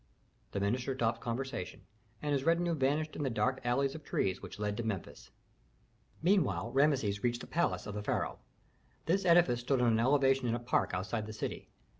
The minister stopped conversation, and his retinue vanished in the dark alley of trees which led to Memphis. Meanwhile Rameses reached the palace of the pharaoh. This edifice stood on an elevation in a park outside the city.